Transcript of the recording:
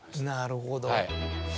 なるほど。